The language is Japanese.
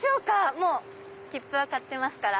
もう切符は買ってますから。